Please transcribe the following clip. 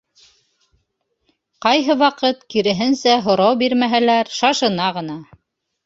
Ҡайһы ваҡыт, киреһенсә, һорау бирмәһәләр, шашына ғына.